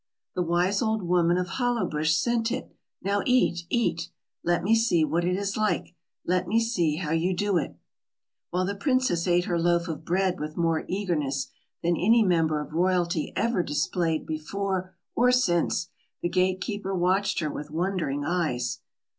"The wise old woman of Hollowbush sent it. Now eat, eat. Let me see what it is like let me see how you do it." While the princess ate her loaf of bread with more eagerness than any member of royalty ever displayed before or since, the gate keeper watched her with wondering eyes.